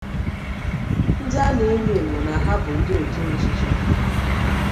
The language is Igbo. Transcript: ndị a na-enyo ènyò na ha bụ ndị otu nzuzo